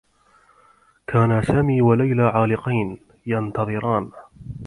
كانا سامي و ليلى عالقين، ينتظران.